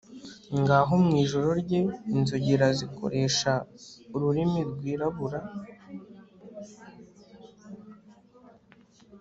ngaho, mwijoro rye, inzogera zikoresha ururimi rwirabura